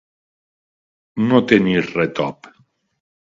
No tenir retop.